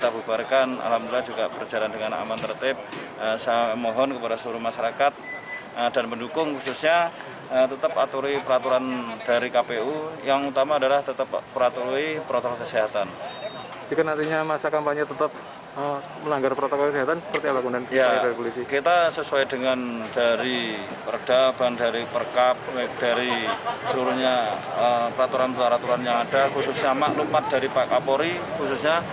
perda bahan dari perkab dari seluruhnya peraturan peraturan yang ada khususnya maklumat dari pak kapori khususnya